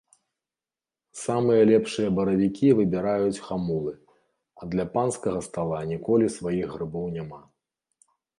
Самыя лепшыя баравікі выбіраюць хамулы, а для панскага стала ніколі сваіх грыбоў няма.